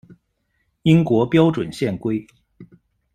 英国标准线规。